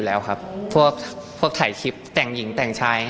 นางหนุ่มมองข้างหลังอีกแล้วเนี่ย